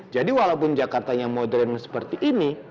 jadi walaupun jakartanya modern seperti ini